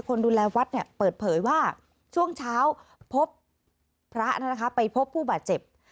คนดูแลวัดเนี่ยเปิดเผยว่าช่วงเช้าพบพระไปพบผู้บาดเจ็บ